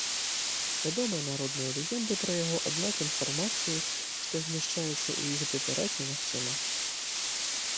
Вядомыя народныя легенды пра яго, аднак інфармацыі, што змяшчаецца ў іх, давяраць немагчыма.